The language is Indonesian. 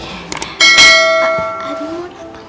adi mau datang